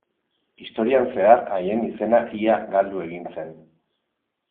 Historian zehar haien izena ia galdu egin zen.